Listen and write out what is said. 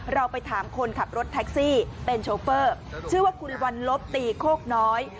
เราไปถามคนขับรถแท็กซี่เป็นโชเฟอร์ชื่อว่าคุณวันลบตีโคกน้อย